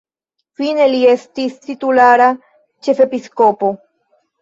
Fine li estis titulara ĉefepiskopo.